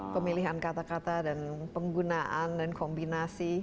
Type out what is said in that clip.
pemilihan kata kata dan penggunaan dan kombinasi